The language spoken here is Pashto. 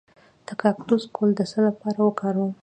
د کاکتوس ګل د څه لپاره وکاروم؟